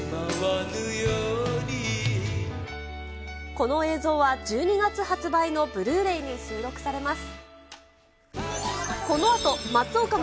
この映像は１２月発売のブルーレイに収録されます。